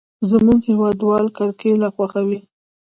زموږ هېوادوال کرکېله خوښوي.